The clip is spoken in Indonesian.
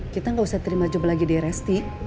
kita gak usah terima job lagi deh resti